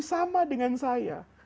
sama dengan saya